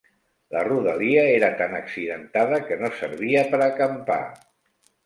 La rodalia era tan accidentada que no servia per acampar.